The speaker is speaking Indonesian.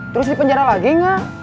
terus di penjara lagi gak